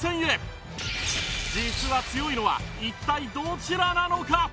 実は強いのは一体どちらなのか？